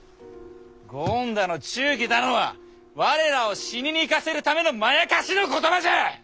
ご恩だの忠義だのは我らを死にに行かせるためのまやかしの言葉じゃ！